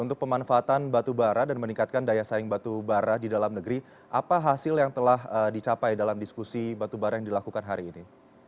untuk pemanfaatan batu bara dan meningkatkan daya saing batu bara di dalam negeri apa hasil yang telah dicapai dalam diskusi batubara yang dilakukan hari ini